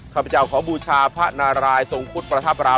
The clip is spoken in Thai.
ขอบพเจ้าขอบูชาพ่อนารายทรงครุฑประทับรา